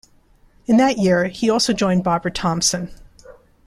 In that year, he also joined Barbara Thompson.